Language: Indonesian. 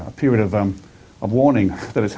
sebuah perhatian yang terjadi